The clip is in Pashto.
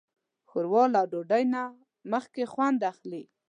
ښوروا له ډوډۍ نه مخکې خوند اخلي.